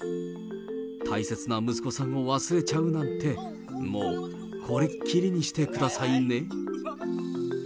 大切な息子さんを忘れちゃうなんて、もうこれっきりにしてくださいね。